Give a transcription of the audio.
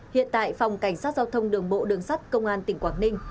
hiện tại phòng cảnh sát giao thông đường bộ đường sắt công an tỉnh quảng ninh